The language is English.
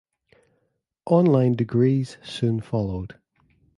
On-line degrees soon followed.